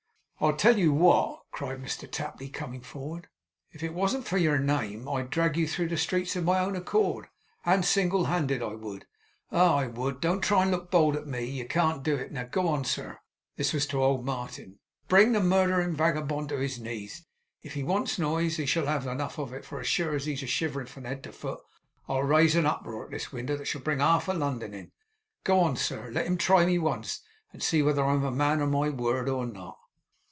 'I tell you what,' cried Mr Tapley, coming forward, 'if it wasn't for your name, I'd drag you through the streets of my own accord, and single handed I would! Ah, I would! Don't try and look bold at me. You can't do it! Now go on, sir,' this was to old Martin. 'Bring the murderin' wagabond upon his knees! If he wants noise, he shall have enough of it; for as sure as he's a shiverin' from head to foot I'll raise a uproar at this winder that shall bring half London in. Go on, sir! Let him try me once, and see whether I'm a man of my word or not.